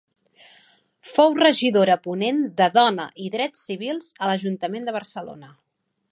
Fou regidora ponent de dona i drets civils a l'Ajuntament de Barcelona.